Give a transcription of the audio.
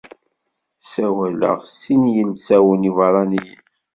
Ssawaleɣ sin yilsawen ibeṛṛaniyen.